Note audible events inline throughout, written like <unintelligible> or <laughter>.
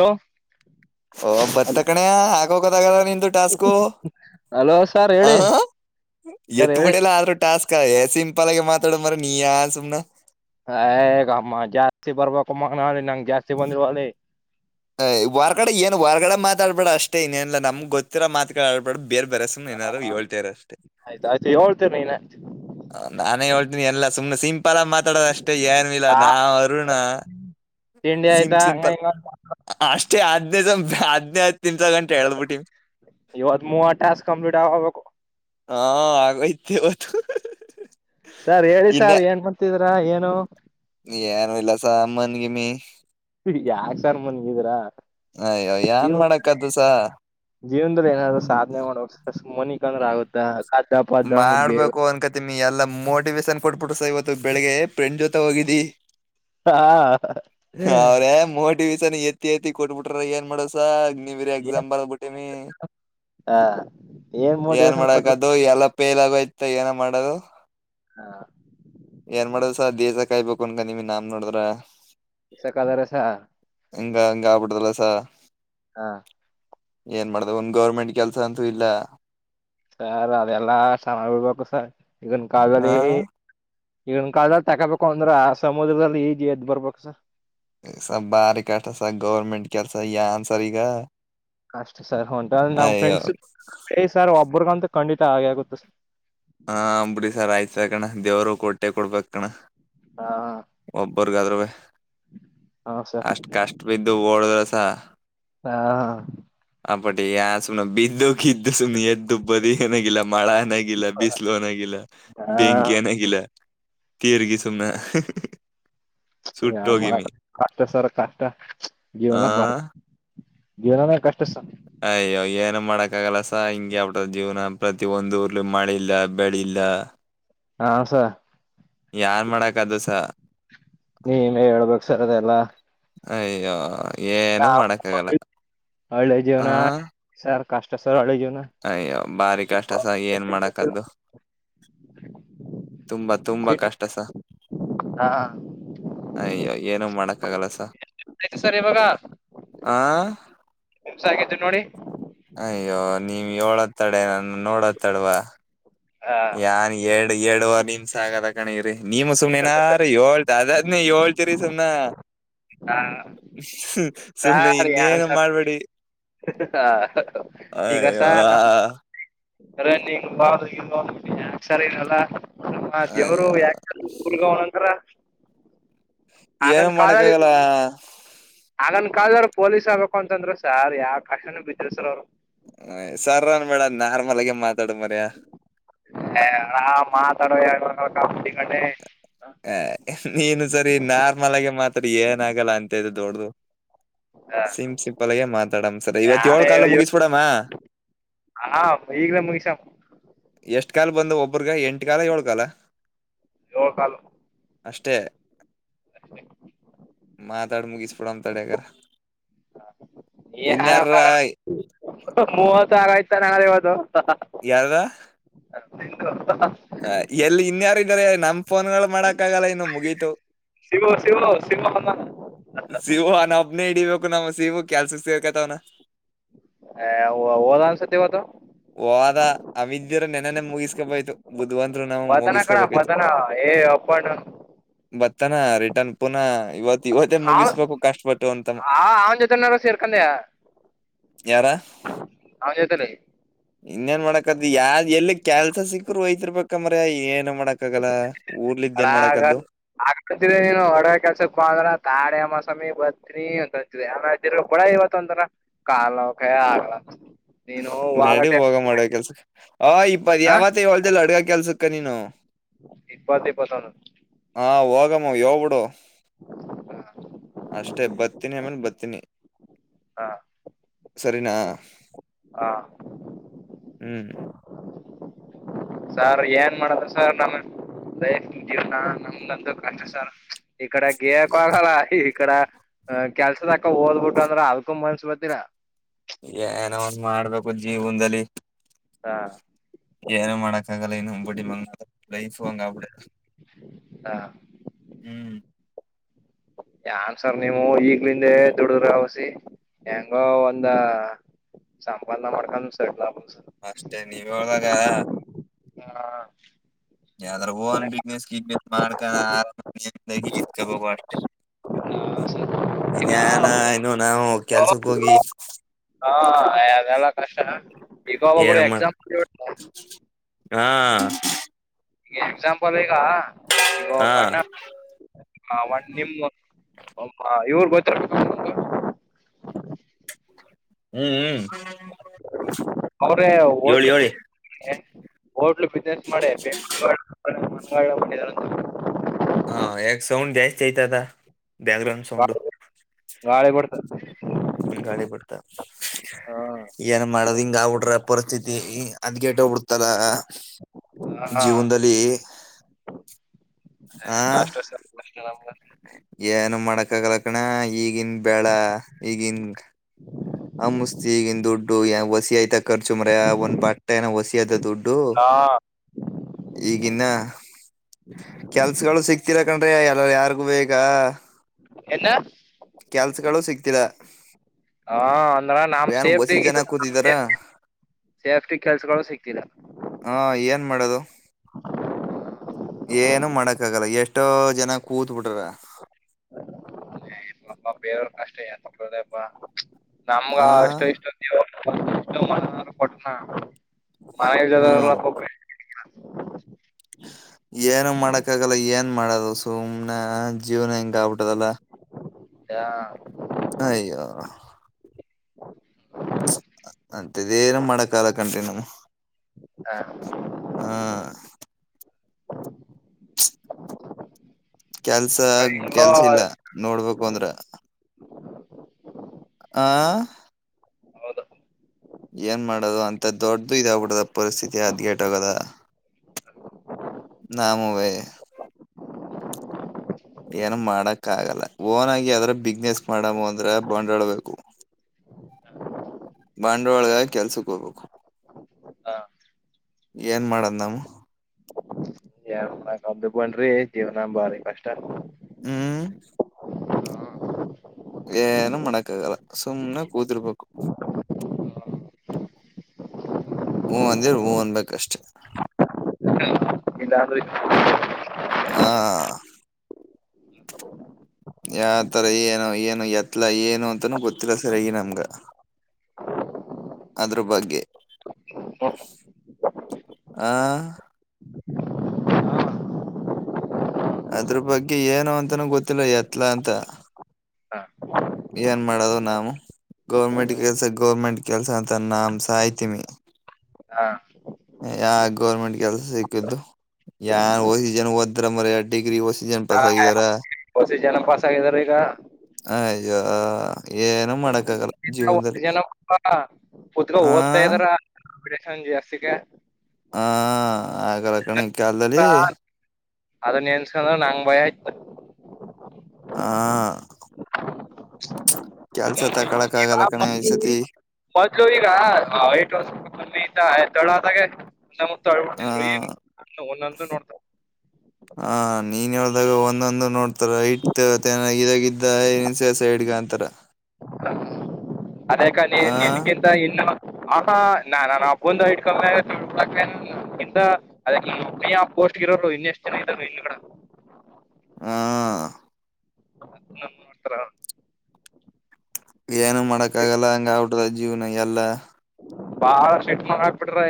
Hello ಹ ಬತಕಣೆಯ ಆಗ ಕದ ಕ ನೀ ಟಾಸ್ಕ ಹಲೋ ಸರ್ ಹೇಳಿ ಹ ಸರ್ ಎತ್ ಹೇಳಿ ಬಿಡಲ್ಲ ಆದ್ರೂ ಟಾಸ್ಕ್ ತಎ ಸಿಂಪಲ್ ಆಗಿ ಮಾತಾಡು ಮರ್ರೆ ನೀ ಆನ್ಸುಸುಮನೆ ಹಗಮ್ಮ ಜಾಸ್ತಿ ಬರುಬೇಕುಮಗನೆ ನಂಗೆ ಜಾಸ್ತಿ ಬಂದ್ರೆ ಹೇಳಿ ಏ ಹೊರಗಡೆ ಏನ್ ಹೊರಗಡೆ ಮಾತಾಡ್ಬೇಡ ಅಷ್ಟೇ ಇನ್ನೇನಾ ನಮ್ಗೆ ಗೊತ್ತಿರೋ ಮಾತಾ ಆಡ್ಬೇಡ್ದ ಹ ಆಯ್ತ ಆಯ್ತು ಯ ಹೇಳ್ತರ್ ನೀನೇ ನಾನೇ ಹೇಳ್ತೀನಿ ಎಲ್ಲ ಸುಮ್ನೆ ಸಿಂಪಲ್ ಆಗ ಮಾತಾಡೋದ ಅಷ್ಟೇ ಏನ್ ಇಲ್ಲ ಆ ನಾ ಅರುಣ ತಿಂಡಿ ಸಿಂ ಆಯ್ತಾ ಹಂಗ ಸಿಂಪಲ್ ಹಿಂಗ ಅ ಜ <unintelligible> ಆಜ್ <unintelligible> ಇವತ್ ಮೂವತ್ ಟಾಸ್ಕ್ ಕಂಪ್ಲೀಟ್ ಆಬೇಕು. <inaudible> ಹಾ ಆಗೋಯ್ತ್ ಇವತ್ತು. ಸರ್ ಹೇಳಿ ಇನ್ನೇ ಸಾರ್ ಏನ್ ಮಾಡತಿರ್. ಏನೋ. ಏನು ಇಲ್ಲಸರ್ ಅಮ್ಮನ್ಗೆಮಿ. ಯಾಕ್ ಸಾರ್ ಮನ್ಗಿದೀರಾ. ಅಯ್ಯ ಯನ್ ಮಾಡಕ್ ಆತ್ತದ್ ಸರ್. ಮೋನಿಕಣು ಅಂದ್ರ ಆಗುತ್ತಾ. <unintelligible> ಮುಡ್ಗೆ ಮಾಡ್ಬೇಕು ಅನ್ಕತಿನ್. ಎಲ್ಲ ಮೋಟಿವೇಶನ್ ಕೊಟ್ಬಿಟ್ಟರು ಸ ಇವತ್ತು ಬೆಳಿಗ್ಗೆ ಫ್ರೆಂಡ್ ಜೊತೆ ಹೋಗಿದ್ದಿ. ಹಾ. ರೇಷನ್ ಎತ್ತಿ ಎತ್ತಿ ಕೊಟ್ಬಿಟ್ರ ಏನ್ ಮಾಡೋದ್ ಸರ್. ನೀವಿರ್ ಏನ್ ಎಕ್ಸಾಮ್ ಬರಬಿಟ್ಟಿವಿ ಏನ್ ಮೋಟಿವೇಶನ್ ಕೊಟ್ರು ಮಾಡಕಾದ್ದು ಎಲ್ಲ ಲಗೋಯ್ತ ಏನ ಮಾಡೋದು. ಏನ್ ಮಾಡೋದ್ ಸರ್ ಗಿಯ್ಸಿರ್ ಕಾಯಬೇಕ್ ಕೊಂಡನ ನಿಮ ನಾಮ್ ನೋಡಿದ್ರೆ ಸೆ ಕಲರಸ <unintelligible> ಎಂಗ ಹಂಗ ಆಗ್ಬುಟ್ರಲ್ಲ ಸರ್ ಹಾ. ಏನ್ ಮಾಡೋದು ಒಂದ್ ಗೌರ್ಮೆಂಟ್ ಕೆಲ್ಸ ಅಂತೂ ಇಲ್ಲ. ಸರ್ ಅವೆಲ್ಲಾ ಸಮ ಉಡ್ಬೇಕು ಸರ್. ಈಗನ್ ಆ ಕಾಲರೆ ಈಗನ್ ಕಾಲ ತಕೋಬೇಕು ಅಂದ್ರ ಆ ಸಮುದ್ರದಲ್ಲಿ ಈಜ ಎದ್ ಬರ್ಬೇಕ ಸರ್. ಸ ಬಾರಿ ಕಾಟಸ ಗೌರ್ಮೆಂಟ್ ಕೆಲ್ಸ ಯಾನ್ಸಸಾ ಈಗ. ಅಷ್ಟ ಸರ್ ಹೊಂಟ ನಮ್ ಅಯ್ಯೋ ಫ್ರೆಂಡ್ಸ್ ಏ್ ಸರ್ ಒ. ಒಬ್ಬರ್ಗ ಅಂತ ಖಂಡಿತ ಹಾಗೆ ಆಗುತ್ತ ಸ್. ಆ ಬಿಡಿ ಸರ್ ಆಯ್ತ್ ಕಣ ದೇವರು ಕೋಟೆ ಕೊಡ್ಬೇಕ್ ಕಣ. ಹಾ ಒಬ್ಬರ್ಗಾದ್ರೂ ಹಾ ಸರ್ ಅಷ್ಟ ಕಷ್ಟ ಬಿದ್ದು ಓಡದ್ರಸ. ಹಾ ಪಟ್ಟಿ ಾ ಸುನ ಬಿದ್ದು ಕಿದ್ದು ಸುಿ ಎ್ದು ಬಿಗೆಿಲ್ಲ. ಮಳ ಏನಾಗಿಿಲ್ಲ. ನಾಗಲಾ ಹಾ ಬೆಂಕಿಯ ನಾಗಲಾ <inaudible> ತೀರ್ಗಿ ಸುಮನೆ. ಯನ್ ಮಾಡಕ್ ಕಷ್ಟ ಸರ್ ಕಷ್ಟ ಆ ಜೀವನ ಬರ್. ಏನಾನೇ ಕಷ್ಟಸ್. ಅಯ್ಯೋ ಏನು ಮಾಡಕ್ಕ ಆಗಲ್ಲಸ ಹಿಂಂಗಗೆ ಅವ್ರ ಜೀವನ ಪ್ರತಿ ಒಂದ ಊರ್ಲಿ ಮಳಿಲ್ಲ ಬೆಳಿಲ್ಲ. ಆಶಾ ಯನ್ ಮಾಡಕ್ ನೀನುೇ ಹೇಳ್ಬೇಕ ಸರ್ದೆ ಎಲ್ಲ ಅಯ್ಯೋ ನ ಏನು ಮಾಡಕ್ಕಾಗಲ್ಲ ಒಳ್ಳೆ ಜೀವನ ಆ ಸರ್ ಕಷ್ಟ ಸಾ ಹಳ್ಳಿ ಜೀವನ ಅಯ್ಯೋ ಬಾರಿ ಕಷ್ಟಸ ಏನ್ ಮಾಡಕದ್ದು ತುಂಬಾ ತುಂಬಾ ಕಷ್ಟಸ ಹಾ ಅಯ್ಯ ಏನೋ ಮಾಡಕ್ ಕಾಗಲಸ ಆಯ್ತ ಸರ್ ಇವಾಗ ಆ ಹಾಗಿದ್ದು ನೋಡಿ ಅಯ್ಯೋ ನೀವ್ ಏತ್ತಡ ನನ್ನ ನೋಡತ್ತಡವಾ ಹ ಯಾನ್ ಏಳ ಎರಡುುವಾರ ನಿಮ್ಷ ಆಗದ ಕಣಿರಿ ನೀಮ ಸುಮ್ಮ್ನೆನಾರು ಏಳ್ು ಅದಾದ್ ಏಳ್ು ಚರಿ ಸನ ಹ ಸುನೆ ಇನ್ನೇನ ಮಾಡ್ಬೇಡಿ ಹಾ ಈಗಸ ಅಯ್ಯೋ ನಮ್ಮ ರನಿಂಗ್ ಬಾರ ಇ ಯಾಕ್ ಸರ್ ಇನಲ್ಲಾ ನಮ್ಮ ದೇವರು ಅಯ್ಯೋ ಯಾಕ ಕೂಲ್ಗ ಅವನಂತತ್ರ ಏನು ಮಾಡಕ್ಕ ಆಾಗಲ್ಲ ಆಗನ್ ಕಾದರು ಪೊಲೀಸ್ ಆಗ್ಬೇಕು ಅಂತಂದ್ರ ಸರ್ ಯಾವ ಕಷ್ಟನ ಬಿದ್ರ ಸರ್ ಅವ್ರು ್ ಸರನ್ ಬೇಡ ನಾರ್ಮಲ್ ಆಗ ಮಾ ಹ ಆ ಮಾತಾಡದ್ರೆ ಕ <unintelligible> ಕಡೆ ಏ, ನೀನು ಸರಿ ನಾರ್ಮಲ್ ಆಗಿ ಮಾತಾಡಿ ಏನ ಆಗಲ್ಲ ಅಂತದ್ ದೊಡ್ದದು. ಸಿಂ ಸಿಂಪಲ್ಗೆ ಮಾತಾಡಮ. ಸರ ಇವತ್ ಏಳ್ ಕಾಲು ಮುಗಿಸಬಿಡಮ್ಮ. ಹಾ ಈಗ್ಲೇ ಮುಗಿಸಮ್ ಎಷ್ಟ್ ಕಾಲ ಬಂದವು, ಒಬ್ಬ್ರಗ ಎಂಟ್ ಕಾಲ, ಏಳ್ ಕಾಲ? ಏಳ್ ಕಾಲು ಅಷ್ಟೇ ಮಾತಾಡಿ ಮುಗಿಸಬಿಡಾನ್ ತಡಿಹಗಾರ. ಇನ್ಯಾರ <unintelligible> ಅಕ್ಕ, ನಾಳೆ ಯಾವ್ದು? ಯಾರಗ? ಬಕ <unintelligible> ಹ, ಎಲ್ಲಿ ಇನ್ಯಾರ ಇದಾರೆ ನಮ್ ಫೋನ್ಗಳು ಮಾಡಕ್ ಆಗಲ್ಲ ಇನ್ನು ಮುಗೀತು ಶಿವು, ಶಿವು, ಶಿವು ಬಂದಾನ. ಸಿವ ನಾ ಒಬ್ಬನೇ ಇಡೀ <unintelligible> ಬಬೇಕು ನಮ್ಮ ಶಿವು ಕೆಲಸಕ್ಕೆ ಸೇರ್ಕೋತಾವನೆ. ಏ ಹೋ- ಹೋದ ಅನ್ಸತಿ ಇವತ್ತು ಹೋದ. ಅವಿದ್ಯರ ನೆನೇನ ಮುಗಿಸ್ಕೋಬಯ್ತು ಬುಧ್ವಂತರು ನಾವು ವತನ ಕಣ ಮುಗಿಸ್ಕೊಬೇಕಾಯ್ತು. ವತನ ಏ ಅಪ್ಪಣ್ಣ <unintelligible> <unintelligible> ತನ ರಿಟರ್ನ್ ಪುನಃ ಇವತ್ತಿಗೂ ಹ, ಹ ಅವನ್ ಜೊತೆ ಏನರ ಸೇರ್ಕಂಡಿಯ? ಯಾರ ಅವನ ಜೊತೆಯಲ್ಲಿ ಇನ್ನೇನ್ ಮಾಡಕತ್ದು? ಯಾರ್ ಎಲ್ಲಿ ಕ್ಯಾ <unintelligible> ಕೆಲಸ ಸಿಕ್ಕರ ಒಯ್ತಿರಬೇಕಾ ಮಾರಾಯ, ಏನು ಮಾಡಕ್ಕಾಗಲ್ಲ ಊರ್ಲಿದ್ದ ಅಣ್ಣ, ಏನ್ ಹಡ ಮಾಡಕದ್ದು ಕೆಲಸಕೆ ತಡ ಮ <unintelligible> ಸಾಮಿ ಬಂತ್ರಿ ಅಂತ ಅಂತವಿ. ಆಮೇರ ತಿರುಗ ಕೊಡಯ್ಯ ಇವತೊಂದ ಅಂದ್ರ ಕಾಲ್ನೋವ್ ಕೈಆಗಲ್ಲ <unintelligible> <unintelligible> ನಡಿ ಹೋಗಮ ಅಡ್ಗೆಕೆಲ್ಸಕೆ. ಓ ಇಪ್ಪತ್ <unintelligible> ಹ ಯಾವತ್ತು ಹೇಳ್ತಿದ್ದ ಅಡಿಗೆ ಕೆಲಸಕ್ಕೆ ಕ <unintelligible> ನೀನು ಇಪ್ಪತ್ ಇಪ್ಪತ್ತೊಂದು ಆ ಓಗಮ, ಹೇಳ್ಬಿಡು. ಅಷ್ಟೆ, ಬತ್ತಿನಿ ಅನಮೇಲ್ ಬತ್ತಿನಿ. ಹಾ ಸರಿನಾ? ಹಾ <unintelligible> ಹ್ಮ್ ಸರ್, ಏನ್ ಮಾಡದು ಸರ್ ನಾನು? ಲೈಫ್, ಜೀವನ ನಮ್ದಂತೂ ಕಷ್ಟ ಸಾರ್. ಈಕಡೆ ಗೇಯಕು ಆಗಲ್ಲ, ಈಕಡೆ ಆ ಕೆಲಸದಕ ಓದ್ಬುಟ್ಟೋ ಅಂದ್ರ, ಅದಕೂ ಮನ್ಸ ಬತ್ತಿಲ್ಲ ಏನೋ ಒಂದ್ ಮಾಡಬೇಕು ಜೀವನದಲ್ಲಿ. ಹಾ ಏನು ಮಾಡಕ್ಕ ಆಗಲ್ಲ ಇನ್ನು ಬಡ್ಡಿ ಮಗಂದ್ ಲೈಫು ಹಂಗಾಗ್ಬಿಟ್ಟದ್ ಹಾ ಹ್ಮ್ ಯಾರ್ ಸರ್ ನೀವು ಈಗ್ಲಿಂದೆ ದುಡ್ರ ವಸಿ ಹೆಂಗೊ ಒಂದ ಸಂಬಧ ಮಾಡ್ಕೊಂಡ್ ಸೆಟ್ಲ್ ಆಗ್ <unintelligible> ಸರ್ ಅಷ್ಟೇ ನೀವ್ ಹೇಳ್ದಾಗ ಯಾ ಯದಾರುವ ಒಂದ್ ಬುಸಿನೆಸ್ ಈಗ್ಬೆ ಮಾಡ್ಕೊಂಡು ಆರಾಮಾಗಿ <unintelligible> ಅಷ್ಟೇ ಈಗ ಹಾ ಇನ್ಯಾನ ಇನ್ನು ನಾವು ಕೆಲ್ಸಕ್ಕ್ ಹೋಗಿ ಫ್ರೆಶ್ ಆ ಇವಾಗ್ ಏನ ಒಬ್ಬೊಬ್ರೆ ಮಾಡ ಎಕ್ಸಾಮ್ <unintelligible> ಹಾ. ಎಕ್ಸಾಮಂಪಲ್ ಐತಿ. ಗೊತ್ತಾ ಈಗ ಹಾ ಒಬ್ಬ ಅಣ್ಣ ವ ನಿಮ್ಮ. <unintelligible> ಇವರ ಗೊತ್ತಿರಬೇಕ ನಿಮಗ. ಹ್ಮ್ ಹ್ಮ್. ಅವ್ರೇ ಹೇಳಿ ಹೋಟೆಲ್. ಹೇಳಿ <unintelligible> ಹೋಟಲ್. ಬಿಜಿನೆಸ್ ಮಾಡಿ. <unintelligible> <unintelligible> ಹಾ ಯಾಕ ಸೌಂಡ್ ಜಾಸ್ತಿ ಐತದ. ಬ್ಯಾಕ್ ಗ್ರೌಂಡ್ ಸೌಂಡು ಗಾಳಿ ಬರ್ತದೆ ಗಾಳಿ ಬಿಡ್ತ ಏನ ಮಾಡದ ಹಿಂಗ. ನಾವ ಉಡ್ರ ಪರಿಸ್ಥಿತಿ ಹದಗೆಟ್ಟ ಹೋಗ್ಬಡ್ತದ. ಹಾ ಜೀವನದಲ್ಲಿ. <inaudible> ಏ ಆ <unintelligible> ಅಷ್ಟೇ ನಮ್ದ. ಹೆಳಕಗಲ್ಲ ಕನ್ಯ ಈಗಿನ ಬ್ಯಾಳ ಈಗಿನ. ಆ ಮುಸ್ತಿ ಈಗಿನ ದುಡ್ಡು ಯ ವಸಿ ಆಯ್ತ. ಖರ್ಚು ಮಾರಾಯ ಒಂದ ಬಟ್ಟೆನ ವಸಿಯದ ದುಡ್ಡು ಹಾ ಈಗ ಇನ್ನ ಕೆಲ್ಸಗಳು ಸಿಕ್ತಿಲ್ಲ. <unintelligible> ಎಲ್ಲಾ ಯಾರಗುವೆ ಈಗ. ಎನ್ನ. ಕೆಲ್ಸಗಳು ಸಿಗ್ತಿಲ್ಲ. ಹಾ. ಅಂದ್ರ ನಮ್ ಏನ ವಸಿ ಸೇಫ್ಟಿ ಜನ ಕೂತಿದಾರ ಸೇಫ್ಟಿ ಕೆಲ್ಸಗಳು ಸಿಕ್ತಿಲ್ಲ ಹ ಏನ ಮಾಡೋದು ಏನು ಮಾಡಕ. ಕಾಗಲ್ಲ ಎಷ್ಟೋ ಜನ ಕೂತ ಬಿಟ್ಟರ. ಏ ಪಾಪ ಬೇರೆವರ ಬೇರ ಕಷ್ಟ. <unintelligible> ನಮ್ಗ ಆ ಅಷ್ಟು ಇಷ್ಟೊ ದೇವರ. ದುಡ್ಡು ಮನಾರ ಕೊಟ್ನ. ಹ್ಮ್ <unintelligible> <inaudible> ಏನು ಮಾಡಕ್ಕಾಗಲ್ಲ ಏನ. ಏನ ಮಾಡೋದು ಸುಮ್ನೆ ಜೀವನ ಹಿಂಗ. ಆಗ್ಬಿಟ್ಟದಲ್ಲ ಯ. ಅಯ್ಯೋ. ಅಂತದೇನ ಮಾಡಕ್ಕಾಲ <unintelligible> ಹಾ. ಕೆಲ್ಸ ಕೆಲ್ಸ ಇಲ್ಲ ನೋಡ್ಬೇಕು ಅಂದ್ರ. <inaudible> ಆ. ಹೌದು ಏನ ಮಾಡೋದು ಅಂತ ದೊಡ್ಡದು ಇದಾಗ್ಬಿಡದ ಪರಿಸ್ಥಿತಿ ಹದಗೆಟ್ಟ ಹೋಗದ ನಾವುವೇ. ಏನ ಮಾಡಕ ಆಗಲ್ಲ ಓನ್ ಆಗಿ ಯಾವುದಾರ ಬಿಸ್ನೆಸ್ ಮಾಡೋಮು ಅಂದ್ರ ಬಂಡಾಳ್ಬೇಕು. ಬಂಡವಾಳಗಾಗ ಕೆಲ್ಸಕ್ಕ ಹೋಗ್ಬೇಕು. ಹ ಏನ ಮಾಡದ ನಾವು. ಏನ ಮಾಡಾಕಾಗದು ಬನ್ನಿರಿ ಜೀವನ ಬಾರಿ ಕಷ್ಟ ಅದ. ಹ್ಮ್. ಏನು ಮಾಡಕ ಆಗಲ್ಲ ಸುಮ್ನೆ ಕೂತಿರಬೇಕು. ಹೂ ಅಂದಿರ ಹೂ ಅನ್ಬೇಕಷ್ಟೆ. ಇಲ್ಲಾಂದ್ರೆ. <unintelligible> ಹಾ ಯಾವತರ ಏನು ಏನು ಎತ್ಲ ಏನು ಅಂತನೂ ಗೊತ್ತಿಲ್ಲ ಸರಿಯಾಗಿ ನಮ್ಗ. ಅದ್ರ ಬಗ್ಗೆ ಆ. ಅದರ ಬಗ್ಗೆ ಏನು ಅಂತನೂ ಗೊತ್ತಿಲ್ಲ ಎತ್ಲ ಅಂತ. ಹ ಏನ ಮಾಡದು ನಾವು ಗೌರ್ಮೆಂಟ್ ಕೆಲ್ಸ ಗೌರ್ಮೆಂಟ್ ಕೆಲ್ಸ ಅಂತ ನಮ್ಮ ಸಾಯತೀಮೀ ಹ ಯ ಯಾವ ಗೌರ್ಮೆಂಟ್ ಕೆಲ್ಸ ಸಿಕ್ಕಿದ್ದು ಯಾನ ವಸಿ ಜನ ಓದ್ರ ಮಾರಾಯ ಡಿಗ್ರಿ ವಸಿ. <unintelligible> ವಸಿ ಜನ ಪಾಸ ಆಗಿದರ ಈಗ. ಯ ಏನು ಮಾಡಕ್ಕ ಆಗಲ್ಲ. ಓ ಜೀವನದಲ್ಲಿ ಏನವ್ವ ಕೂತ್ಕೊಂಡ್ ಆ ಓದ್ತಾ ಇದಾರ. <unintelligible> ಹಾ ಆಗಲ್ಲ ಕಣೆ. ಈ ಕಾಲದಲ್ಲಿ. ಅದ ನಿನ್ಸಕಂಡ್ರೆ ನಂಗ ಭಯ ಆತ. ಹಾ. ಕೆಲ್ಸ ತಕ್ ಈಗ ಮೊದ್ಲು ಮೊದ್ಲು ಈಗ ಟ್ ವರ್ ಮಂತ ಆಯ್ತ. ತಡದಾಗೆ. ನ ಮ ಆ ಆಳ್ಬಿಡ್ತಿದ್ರು ಏ ಒಂದೊಂದು ನೋಡ್ತ ಆ ನೀನ್ ಹೇಳ್ದಾಗ ಒಂದೊಂದು ನೋಡ್ತಾರ ಐಟ್ ಇದಾಗ ಇದಿದ್ದಸ ಸೈಡ್ಗ ಅಂತಾರ. ಅದೇಕ ಲೇ ಆ ಇದಕ್ಕಿಂತ ಇನ್ನು ಆ ನಾ ನಾನನ್ ಆ ಬಂದು ಐಟ್ ಕಮ್ಮಿ ಆಗ ಅದ ಇ ಆ ಪೋಸ್ಟ್ ಇಿರೋರು ಇನ್ ಎಷ್ಟ್ ಜನ ಇದರು ಇಲ್ಲಿ ಕಡ ಹಾ ನೋಡ್ತಾರ ಏನು ಮಾಡಕ್ಕ ಆಗಲ್ಲ ಹಂಗ ಅವಟದ ಜೀವ್ನ ಎಲ್ಲ ಬಾಳ ೆಟ್ನ ಆಪಟ್ರ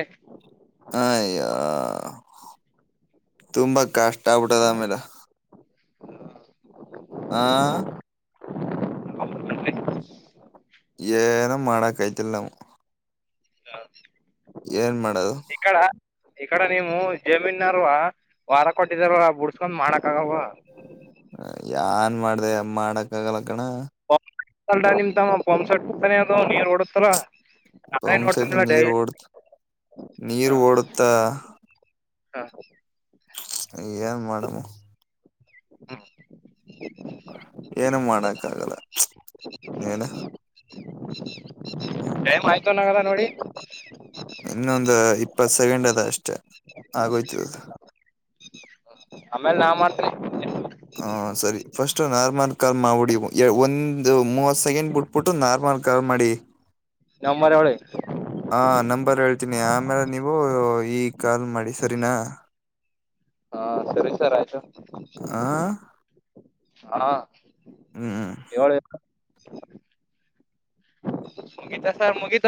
ಹಯ್ಯ ತುಂಬಾ ಕಷ್ಟ ಆಗ್ಬಿಟ್ಟದ ಆಮೇಲೆ ಹ ಏನೋ ಮಾಡಾಕ್ಐ್ತಿಲ್ ನಾವ ಏನ್ ಮಾಡದು ಈ ಕಡ ಈ ಕಡೆ ನೀವು ಜಮೀನ್ಾರವ ವಾರ ಕೊಟ್ಟಿದಾರ ಬುಡ್ಸ್ಕೊಂಡ್ ಮಾಡಕ ಆಗವ ಯಾನ್ ಮಾಡ್ದ ಮಾಡಕ್ಕ ಆಗಲ ಕಣ ಅಡ ನಿಮ್ ತಮ್ಮ ಪಾಂಸ್ಟ್ಟ ತಾನೆ ಅದ ನೀರ್ ಹೊಡತಾರ ಪಂಪ ಸಟ ನೀ ರೋಡ್ತ ನೀರು ಓಡುತ್ತಾ ಏನ್ ಮಾಡಡಮು ಏನು ಮಾಡಕ್ಕ ಆಗಲ್ಲ ನೀಏನು ಟೈಮ್ ಆಯ್ತು ನಗದ ನೋಡಿ ಇನ್ನೊಂದು ಇಪ್ಪತ್ ಸೆಕೆಂಡ್ ಅದ ಅಷ್ಟೆ ಆಗೋಯ್ತದದು ಆಮೇಲ್ ನಾನ್ ಮಾಡ್ತ್ರಿ ಹಾ ಸರಿ ಫಸ್ಟ್ ನಾರ್ಮಲ್ ಕರ್ ಮಾಡಿ ಒಂದು ಮೂವತ್ ಸೆಕೆಂಡ್ ಬಿಟ್ಬಿಟ್ಟು ನಾರ್ಮಲ್ ಕರ್ಲ್ ಮಾಡಿ ನಮ್ಮರ ಎ ಅವಳ ಹ ನಂಬರ್ ಹೇಳ್ತೀನಿ ಆಮೇಲೆ ನೀವು ಈಗ್ ಕಾಲ್ ಮಾಡಿ ಸರಿನಾ ಸ ಸರ್ ಆಯತು <inaudible> ಆ ಹಾ ಹ್ಮ್ ಯ ಮುಗಿತಾ ಸರ್ ಮುಗಿತ